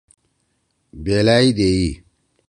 بیلأئی دیئ۔